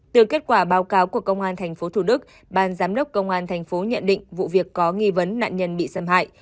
từ kết quả báo cáo của công an tp thủ đức ban giám đốc công an thành phố nhận định vụ việc có nghi vấn nạn nhân bị xâm hại